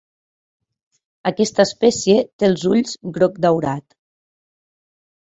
Aquesta espècie té els ulls groc daurat.